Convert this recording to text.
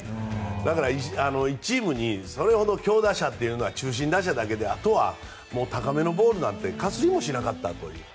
だから１チームにそれほど強打者というのは中心打者だけであとは高めのボールなんてかすりもしなかったという。